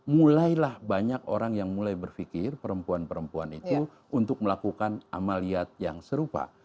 mulailah banyak orang yang mulai berpikir perempuan perempuan itu untuk melakukan amaliyat yang serupa